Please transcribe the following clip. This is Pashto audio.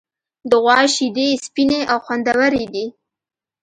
د غوا شیدې سپینې او خوندورې دي.